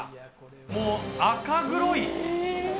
もう赤黒い。